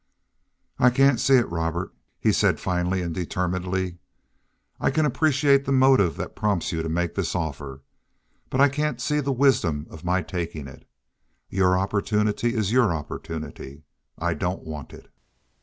"I can't see it, Robert," he said finally and determinedly. "I can appreciate the motive that prompts you to make this offer. But I can't see the wisdom of my taking it. Your opportunity is your opportunity. I don't want it.